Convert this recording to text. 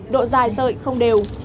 độ dài rợi không đều